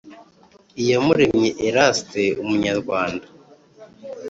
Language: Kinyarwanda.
Iyamuremye eraste umunyarwanda